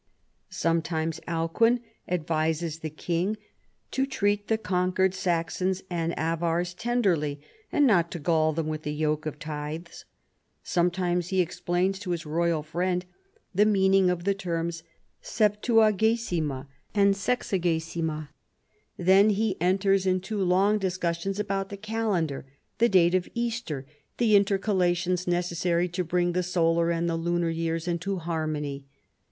Sometimes Alcuin advises the king to treat the conquered Saxons and Avars tenderly, and not to gall them with the yoke of tithes. Sometimes he exphiins to his royal friend th8 meaning of the terms Septuagesima and l§@xa 252 CHARLEMAGNE. gesima. Then he enters into long discussions about the calendar, the date of Easter, the intercalations necessary to bring the solar and the lunar years into harmony.